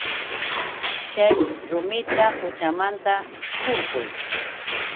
Chay rumita quchamanta hurquy.